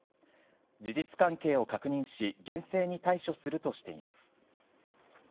事実関係を確認し、厳正に対処するとしています。